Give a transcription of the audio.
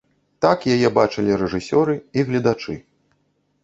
Так яе бачылі рэжысёры і гледачы.